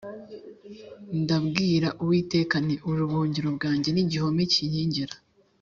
ndabwira uwiteka nti “uri ubuhungiro bwanjye n’igihome kinkingira,